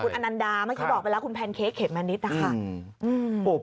อนันดาเมื่อกี้บอกไปแล้วคุณแพนเค้กเขมมะนิดนะคะ